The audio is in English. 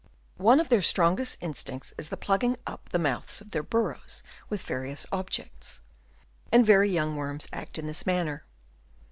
One of their strongest instincts is the plug ging up the mouths of their barrows with various objects ; and very young worms act in this manner.